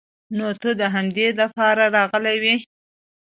نو ته د همدې د پاره راغلې وې.